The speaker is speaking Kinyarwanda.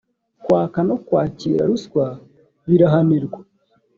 kwaka no kwakira ruswa birahanirwa